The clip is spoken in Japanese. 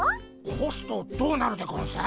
ほすとどうなるでゴンス？